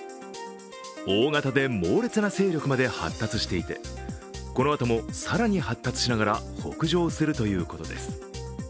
大型で猛烈な勢力まで発達していて、このあとも更に発達しながら北上するということです。